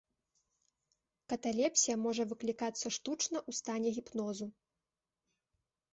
Каталепсія можа выклікацца штучна ў стане гіпнозу.